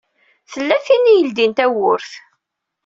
Tella tin i yeldin tawwurt.